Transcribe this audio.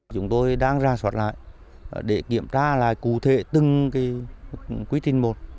chúng tôi đang ra soát lại để kiểm tra lại cụ thể từng quy trình một